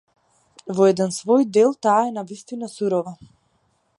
Во еден свој дел таа е навистина сурова.